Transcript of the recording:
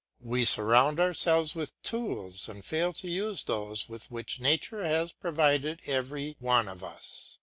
We surround ourselves with tools and fail to use those with which nature has provided every one of us.